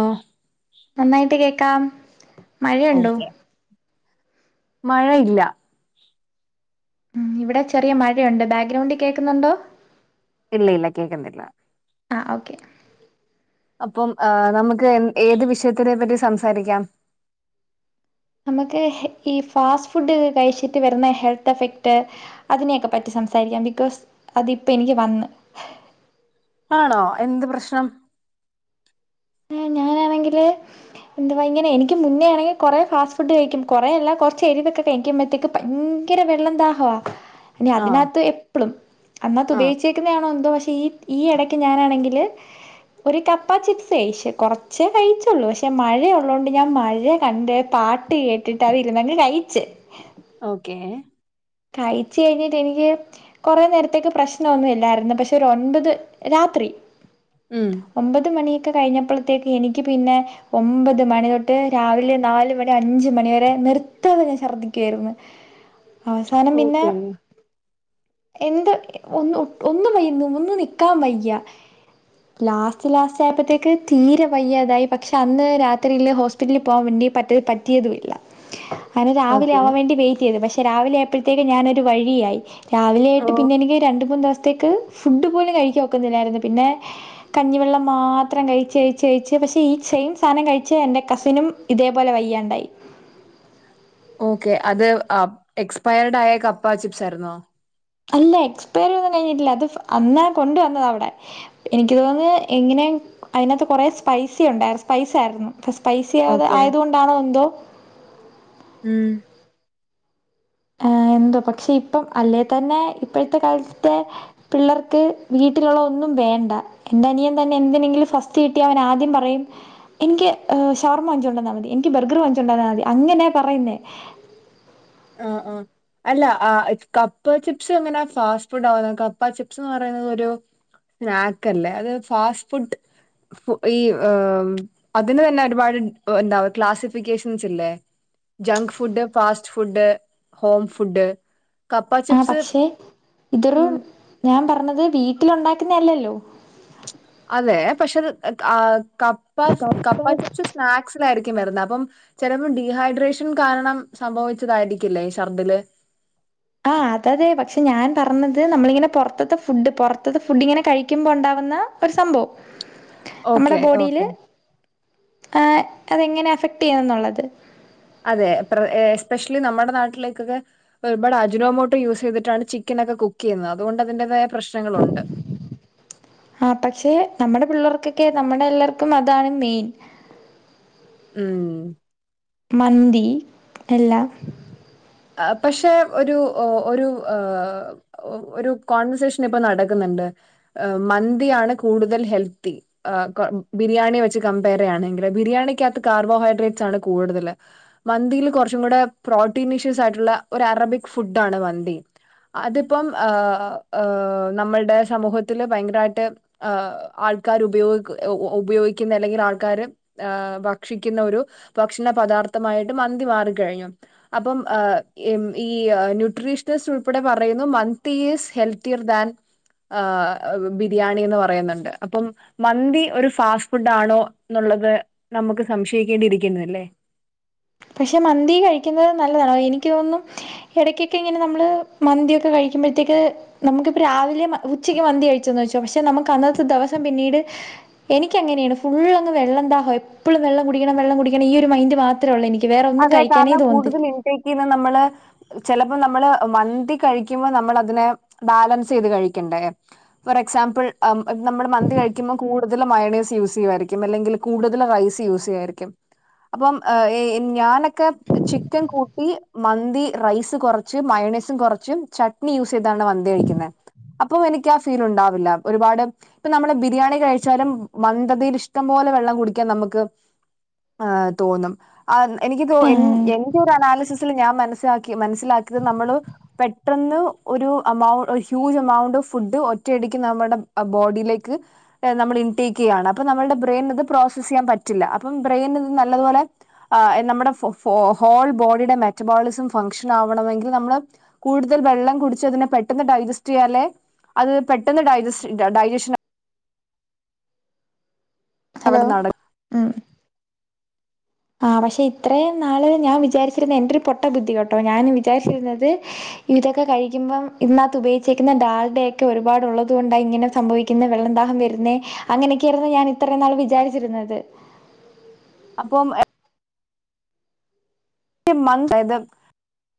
ആഹ് നന്നായിട്ട് കേക്കാം മഴയുണ്ടോ മഴ ഇല്ല ഉം ഇവിടെ ചെറിയ മഴ ഒണ്ട് ബാഗ്രാവ്ണ്ടിൽ നോക്കുന്നൊണ്ടോ ഇല്ല ഇല്ല കേക്കുന്നില്ല ആഹ് ഓക്കെ അപ്പം നമുക്ക് ഏത് വിഷയത്തിനെപ്പറ്റി സംസാരിക്കാം നമക്ക് ഈ ഫാസ്റ്റ് ഫുഡ്‌ക്കെ കഴിച്ചിട്ട് വരുന്ന ഹെൽത്ത് എഫക്ട് അതിനെക്കെപ്പറ്റി സംസാരിക്കാം ബിക്കോസ് അത് ഇപ്പം എനിക്ക് വന്ന് ആണോ എന്ത് പ്രശ്നം ഞാൻ ആണെങ്കില് എന്ത് ഭയങ്കര എനിക്ക് മുന്നേയാണേ കൊറെ ഫാസ്റ്റ് ഫുഡ്‌ കഴിക്കും കൊറെഅല്ല കൊറച്ച് എരുവോക്കെ കഴിക്കുമ്പഴത്തേക്ക് ഭയ്ങ്കര വെള്ളം ദാഹാ നി ആഹ് അതിനാത്ത് എപ്പളും അതിനാത്ത് ആഹ് ഉപയോഗിച്ചേക്കുന്ന ആണോ എന്തോ പ ഈ ഇയേടക്ക് ഞാൻ ആണെങ്കില് ഒര് കപ്പ ചിപ്പ്സ് ഫെഷ്യ കൊറച്ചേ കഴിച്ചൊള്ളു പഷേ മഴ ഒള്ളൊണ്ട് ഞാൻ മഴകണ്ട് പാട്ട് കേട്ടിട്ട് അതിരുന്നങ്ങ് കയിച്ച് ഓക്കേ കഴിച്ച് കഴിഞ്ഞിട്ട് എനിക്ക് കുറേ നേരത്തേക്ക് പ്രശ്നമൊന്നും ഇല്ലായിരുന്നു പക്ഷെ ഒരു ഒൻപത് രാത്രി ഉം ഒമ്പത് മണിയൊക്കെ കഴിഞ്ഞപ്പോഴത്തേക്ക് എനിക്ക് പിന്നെ ഒമ്പത് മണി തൊട്ട് രാവിലെ നാല് മണി അഞ്ച് മണി വരെ നിർത്താതെ ഞാൻ ഛർദ്ദിക്കുവായിരുന്നു അവസാനം പിന്നെ ഓക്കേ എന്ത് ഒന്ന് ഒന്നും വയ്യ ഒന്ന് നിക്കാൻ വയ്യ ലാസ്റ്റ് ലാസ്റ്റ് രാത്രി ആയപ്പെതേക്ക് തീരെ വയ്യാ ഥേയായി പക്ഷെ അന്ന് രാത്രിയിൽ ഹോസ്പിറ്റലിൽ പോവാൻ വേണ്ടി പറ്റി യദുല്ല അങ്ങനെ ഓക്കെ രാവിലെയാവാൻ വേണ്ടി വെയിറ്റ് ചെയ്‌തു പക്ഷെ രാവിലെ ഞാനൊരു വഴിയായി രാവിലെ ഓഹ് പിന്നെ എനിക്ക് രണ്ടു മൂന്നു ദിവസത്തേക്ക് ഫുഡ് പോലും കഴിക്കാൻ നേരത്ത് പിന്നെ കഞ്ഞിവെള്ളം മാതരാവിലെയായിട്ട് പിന്നെ എനിക്ക് രണ്ടു മൂന്നു ദിവസത്തേക്ക് നോക്കുന്നില്ല ആയിരുന്നു പിന്നെ കഞ്ഞിവെള്ളം മാത്രം കഴിച്ച് ഈ ചെയിൻ സാധനം കഴിച്ചു എന്റെ കസിനും ഇതേപോലെ വയ്യാണ്ടായി ഓക്കേ അത് എക്സ്പയേഡ് ആയ കപ്പാചിപ്സ് ആയിരുന്നു അല്ലേ എക്സ്പൈരി ഒന്നും കഴിഞ്ഞിട്ടില്ല അത്അന്നേ കൊണ്ടുവന്നാടാ അവിടെ എനിക്ക് തോന്നുന്നത് എങ്ങിനെ അടിനകത്തു കുറെ സ്പൈസി ഉണ്ടായിരുന്നു സ്‌പൈസി ഓക്കെ ആയതുകൊണ്ടാണോ എന്തോ ഉം ഏ എന്തോ പക്ഷേ ഇപ്പം അല്ലേ തന്നെ ഇപ്പഴത്തെ കാലത്തെ പിള്ളേർക്ക് വീട്ടിലുള്ള ഒന്നും വേണ്ട. എന്റെ അനിയൻ തന്നെ എന്തിനെങ്കിലും ഫസ്റ്റ് കിട്ടിയാ അവൻ ആദ്യം പറയും എനിക്ക് ഏ ഷവർമ്മ വാങ്ങിച്ചോണ്ടെന്നമതി, എനിക്ക് ബർഗറ് വാങ്ങിച്ചോണ്ടെന്നമതി അങ്ങനെ പറയുന്നേ. ആ ആ അല്ല ആ കപ്പാ ചിപ്സ് എങ്ങനെ ഫാസ്റ്റ് ഫുഡ്‌ ആവ്ന്നത്? കപ്പ ചിപ്സ് ന്ന് പറയിണത് ഒരു സ്നാക്ക് അല്ലെ, അത് ഫാസ്റ്റ് ഫുഡ്‌ ഈ ഏ അതിന് തന്നെ ഒരുപാട് എന്താ ക്ലാസ്സിഫിക്കേഷൻസ് ഇല്ലേ? Junk food, fast food, home food. ആ പക്ഷെ ഇതൊറു ഞാൻ പറഞ്ഞ ഇത് വീട്ടിലുണ്ടാക്ക്ന്നേ അല്ലെല്ലോ അതെ പക്ഷെ ഇത് കാ കപ്പ സ് കപ്പ ചിപ്സ് സ്നാക്സ് ന് ആയിരി യിരിക്കും വരുന്ന ചിലപ്പോ ഡിഹൈട്രേഷൻ കാരണം സംഭവിച്ചതായിരിക്കില്ലേ ശർദ്ദിൽ ആ അത് അതേ പക്ഷെ ഞാൻ പറഞ്ഞത് നമ്മളിങ്ങനെ പുറത്തത്ത പുറത്തത്ത ഫുഡ് കഴിക്കുമ്പോ ഉണ്ടാവുന്ന ഒരു സംഭവം ഓക്കെ ഓക്കെ ആ അതെങ്ങനെ അഫക്‌ട് ചെയ്യോന്ന് ഉള്ളത് അതെ എസ്പെഷ്യലി നമ്മുടെ നാട്ടിലേക്കൊക്കെ ഒരുപാട് അജുനോമോട്ടോ യൂസ് ചെയ്തിട്ടാണ് ചിക്കൻ ഒക്കെ കുക്ക് ചെയ്യുന്നത് അതുകൊണ്ട് അതിന്റെതായ പ്രശ്നങ്ങളുണ്ട് ആ പക്ഷെ നമ്മുടെ പിള്ളേർക്കൊക്കെ നമ്മുടെ എല്ലാർക്കും അതാണ് മെയിൻ ഉം മന്തി എല്ലാം പക്ഷെ ഒരു ഒരു ഒരു കോൺവെർസേഷൻ ഇപ്പൊ നടക്കുന്നുണ്ട് മന്തിയാണ് കൂടുതൽ ഹെൽത്തി ബിരിയാണി വെച്ച് കമ്പയർ ചെയ്യാണെങ്കിൽ ബിരിയാണിക്കകത്ത് കാർബോഹൈഡ്രേറ്റ്സ് ആണ് കൂടുതൽ മന്തിയിൽ കുറച്ചും കൂടെ പ്രോട്ടീനി സ് ആയിട്ടുള്ള ഒരു അറബിക് ഫുഡാണ് മന്തി അതിപ്പം നമ്മള്ടെ സമൂഹത്തില് ഭയങ്കരായിട്ട് ആൾക്കാർ ഉപയോഗ ഉപയോഗിക്കുന്ന അല്ലെങ്കിൽ ആൾകാർ ഭക്ഷിക്കുന്ന ഒരു ഭക്ഷണ പദാർത്ഥമായിട്ട് മന്തി മാറിക്കഴിഞ്ഞു അപ്പം ഈ ന്യൂട്രീഷണസ് ഉൾപ്പെടെ പറയുന്നു മന്തി ഈസ് ഹെൽത്തിയർ ദാൻ ആ ബിരിയാണി എന്ന് പറയുന്നുണ്ട് അപ്പം മന്തി ഒരു ഫാസ്റ്റ് ഫുഡ് ആണോ എന്നുള്ളത് നമുക്ക് സംശയിക്കേണ്ടിയിരിക്കുന്നില്ലേ പക്ഷെ മന്തി കഴിക്കുന്നത് നല്ലതാണോ എനിക്ക് തോന്നുന്ന് ഇടയ്ക്കൊക്കെ ഇങ്ങനെ നമ്മള് മന്തിയൊക്കെ കഴിക്കുമ്പോഴത്തേക്ക് നമുക്കിപ്പോ രാവിലെ ഉച്ചയ്ക്ക് മന്തി കഴിച്ചന്ന് വേച്ചോ പക്ഷെ നമുക്ക് അന്നത്തെ ദിവസം പിന്നീട് എനിക്ക് അങ്ങനെയാണ് ഫുള്ളങ്ങ് വെള്ളം ദാഹവാ എപ്പോഴും വെള്ളം കുടിക്കണം വെള്ളം കുടിക്കണം ഈ ഒരു മൈൻഡ് മാത്രേ ഉള്ളൂ എനിക്ക് വേറെ ഒന്നും അതെ കഴിക്കാനേ കാരണം തോന്നത്തില്ല കൂടുതൽ ഇൻടേക്ക് ചെയ്യുന്നത് നമ്മള് ചിലപ്പോ നമ്മള് മന്തി കഴിക്കുമ്പോൾ നമ്മൾ അതിനെ ബാലൻസ് ചെയ്ത് കഴിക്കണ്ടേ ഫോർ എക്സാമ്പിൾ നമ്മൾ മന്തി കഴിക്കുമ്പോൾ കൂടുതൽ മയണീസ് യൂസ് ചെയ്യുവായിരിക്കും അല്ലെങ്കിൽ കൂടുതൽ റൈസ് യൂസ് ചെയ്യുവായിരിക്കും അപ്പം ഈ ഞാനൊക്കെ ചിക്കൻ കൂട്ടി മന്തി റൈസ് കുറച്ച് മയണേസും കുറച്ച് ചട്നി യൂസ് ചെയ്താണ് മന്തി കഴിക്കുന്നെ അപ്പം എനിക്ക് ഫീൽ ഉണ്ടാവില്ല ഒരുപാട് ഇപ്പൊ നമ്മള് ബിരിയാണി കഴിച്ചാലും മന്ദതിൽ ഇഷ്ടം പോലെ വെള്ളം കുടിക്കാൻ നമുക്ക് തോന്നും ആ എനിക്കിപ്പോ എൻ എൻ എൻ്റൊരു അനാലിസിസിൽ ഞാൻ മനസിലാക്കി മനസ്സിലാക്കിയത് നമ്മള് പെട്ടെന്ന് ഒരു എമൗ ഒരു ഹ്യൂജ് എമൗണ്ട് ഓഫ് ഫുഡ് ഒറ്റയടിക്ക് നമ്മുടെ ബോഡിയിലേക്ക് നമ്മൾ ഇൻടേക്ക് ചെയ്യുകയാണ് അപ്പ നമ്മുടെ ബ്രെയിൻ ഇത് പ്രോസസ് ചെയ്യാൻ പറ്റില്ല അപ്പ ബ്രെയിൻ ഇത് നല്ലതുപോലെ നമ്മുടെ ഹോൾ ബോഡിയുടെ മെറ്റബോളിസം ഫംഗ്ഷൻ ആവണമെങ്കിൽ നമ്മള് കൂടുതൽ വെള്ളം കുടിച്ചതിനെ പെട്ടെന്ന് ഡൈജസ്റ്റ് ചെയ്യാലെ അത് പെട്ടെന്ന് ഡജസ്റ്റ് ഡൈജഷൻ ഹലോ അവിടെ നട ഉം ആ പക്ഷെ ഇത്രേം നാൾ ഞാൻ വിചാരിച്ചിരുന്നത് എന്റെ ഒരു പൊട്ട ബുദ്ധി കേട്ടോ ഞാൻ വിചാരിച്ചിരുന്നത് ഇതക്ക കഴിക്കുമ്പോ ഇതിനകത്ത് ഉപയോഗിച്ച ഡാൽഡ ഒക്കെ ഒരുപാട് ഉള്ളതുകൊണ്ട ഇങ്ങനെ സംഭവിക്കുന്നെ വെള്ളം ദാഹം വരുന്നേ അങ്ങനെയൊക്കെയാണ് ഞാൻ ഇത്രനാളും വിചാരിച്ചിരുന്നത് അപ്പം [unintelligible]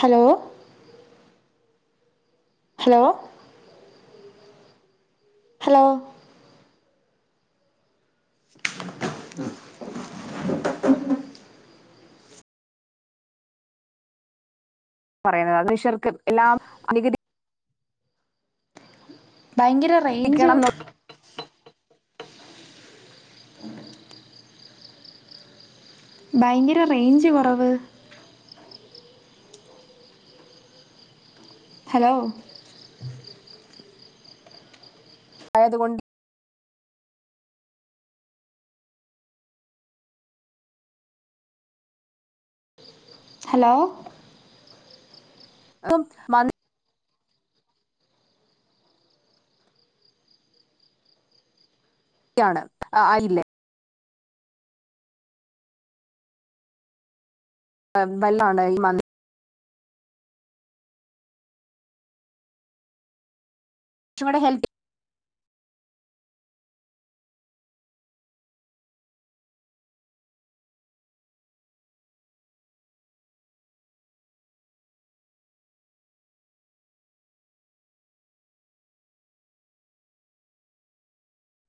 ഹലോ ഹലോ ഹലോ പറിണെ അതിന് ഈ ശെർക്കൻ എല്ലാം നികുതി ഭയങ്കര റെയിഞ്ച് ക്കണം ഭയങ്കര റെയിഞ്ച് കൊറവ് ഹലോ ആയത് കൊണ്ട് ഹലോ ഹ്‌മം മതി [unintelligible] ആയില്ലെ [unintelligible] [unintelligible] [unintelligible]